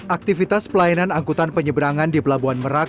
aktivitas pelayanan angkutan penyeberangan di pelabuhan merak